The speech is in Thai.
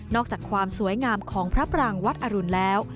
อกจากความสวยงามของพระปรางวัดอรุณแล้ว